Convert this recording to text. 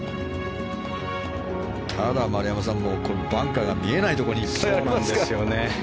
ただ丸山さん、バンカーが見えないところにいっぱいありますから。